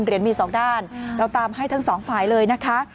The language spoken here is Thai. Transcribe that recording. เหรียญมีสองด้านเราตามให้ทั้งสองฝ่ายเลยนะคะ